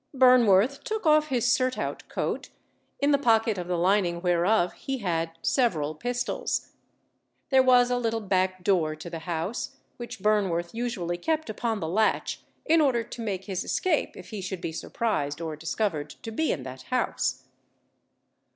Burnworth took off his surtout coat, in the pocket of the lining whereof he had several pistols. There was a little back door to the house, which Burnworth usually kept upon the latch, in order to make his escape if he should be surprised or discovered to be in that house.